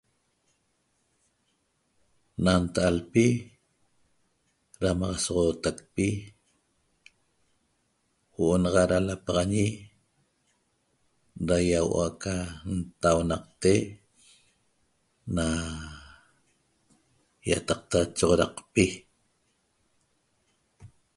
Na nta'alpi damaxasoxotaqpi huoo' da lapaxañe daiahaua ca n'taunacte na iataqta choxoracpi